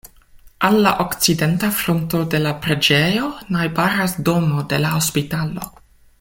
Al la okcidenta fronto de la preĝejo najbaras domo de la hospitalo.